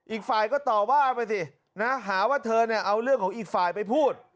อีกฝ่ายก็ต่อว่าไปสินะหาว่าเธอเนี่ยเอาเรื่องของอีกฝ่ายไปพูด